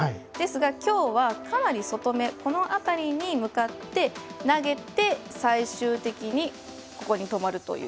ですが、今日はかなり外めに向かって投げて、最終的に止まる。